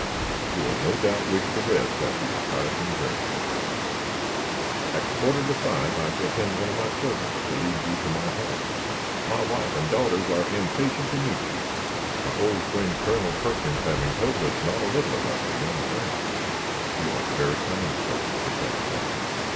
"You will no doubt wish to rest after your tiresome journey, Professor. At a quarter to five I shall send one of my servants to lead you to my home. My wife and daughters are impatient to meet you, my old friend Colonel Perkins having told us not a little about your young friends." "You are very kind, sir," declared Tad.